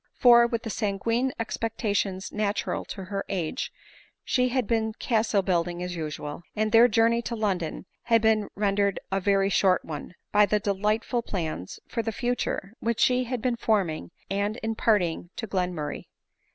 For, with the sanguine expectations natural to her age, she had been castle build ing as usual ; and their journey to London had been ren dered a very shorf one, by the delightful plans, for the future, which she had been forming and imparting to Glenmurray.